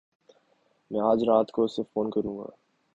میں اج رات کو اسے فون کروں گا۔